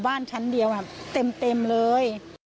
บ้านชั้นเดียวเต็มเลย